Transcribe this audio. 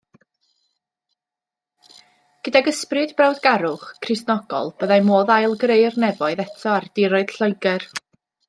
Gydag ysbryd brawdgarwch Cristionogol byddai modd ail greu'r nefoedd eto ar diroedd Lloegr.